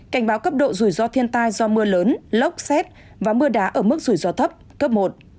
cảnh báo cấp độ rủi ro thiên tai do mưa lớn lốc xét và mưa đá ở mức rủi ro thấp cấp một